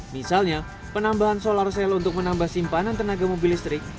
misalnya penambahan solar cell untuk menambah simpanan tenaga mobil listrik